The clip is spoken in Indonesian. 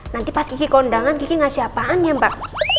nanti pas kiki kondangan kiki ngasih apaan ya mbak